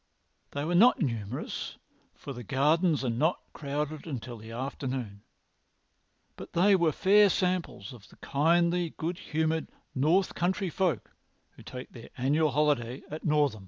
They were not numerous, for the gardens are not crowded until the afternoon, but they were fair samples of the kindly, good humoured north country folk who take their annual holiday at Northam.